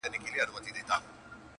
یو څو ورځي بېغمي وه په کورو کي!!